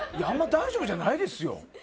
あんま大丈夫じゃないですよ。